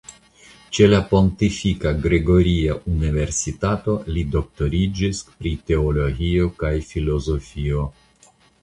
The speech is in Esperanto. Ĉe la Pontifika Gregoria Universitato li doktoriĝis pri teologio kaj filozofio.